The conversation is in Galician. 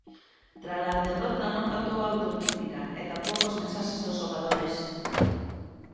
Trala derrota non faltou a autocrítica e tampouco as mensaxes dos xogadores.